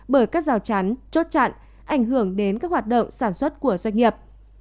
bởi các rào chắn chốt chặn ảnh hưởng đến các hoạt động sản xuất của doanh nghiệp